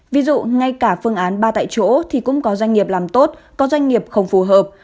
ví dụ ngay cả phương án ba tại chỗ thì cũng có doanh nghiệp làm tốt có doanh nghiệp không phù hợp